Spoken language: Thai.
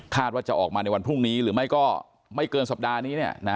ว่าจะออกมาในวันพรุ่งนี้หรือไม่ก็ไม่เกินสัปดาห์นี้